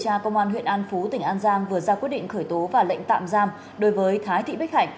điều tra công an huyện an phú tỉnh an giang vừa ra quyết định khởi tố và lệnh tạm giam đối với thái thị bích hạnh